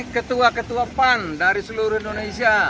ketua ketua pan dari seluruh indonesia